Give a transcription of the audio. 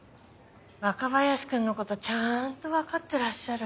若林君のことちゃんと分かってらっしゃる。